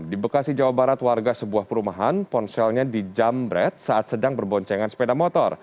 di bekasi jawa barat warga sebuah perumahan ponselnya dijamret saat sedang berboncengan sepeda motor